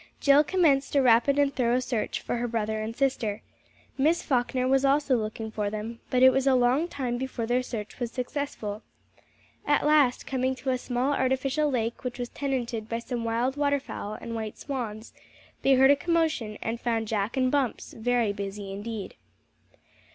Jill commenced a rapid and thorough search for her brother and sister. Miss Falkner was also looking for them, but it was a long time before their search was successful. At last coming to a small artificial lake which was tenanted by some wild waterfowl and white swans, they heard a commotion, and found Jack and Bumps very busy indeed.